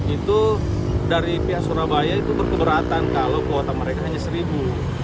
itu dari pihak surabaya itu berkeberatan kalau kuota mereka hanya seribu